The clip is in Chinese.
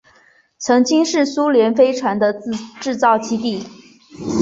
曾经是苏联飞船的制造基地。